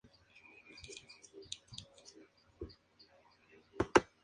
Es muy fuerte, en parte por su trabajo.